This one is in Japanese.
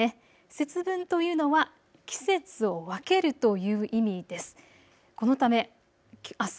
節分というのは季節を分けるという意味です。